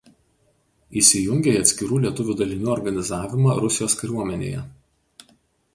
Įsijungė į atskirų lietuvių dalinių organizavimą Rusijos kariuomenėje.